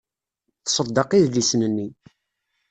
Tṣeddeq idlisen-nni.